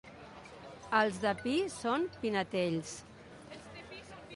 Els de Pi són pinetells.